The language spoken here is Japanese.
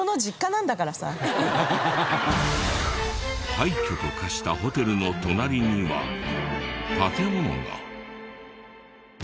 廃虚と化したホテルの隣には建物が。